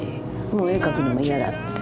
もう絵描くのも嫌だって。